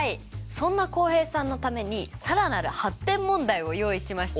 そんな浩平さんのために更なる発展問題を用意しましたよ。